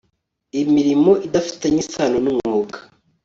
imirimo idafitanye isano n umwuga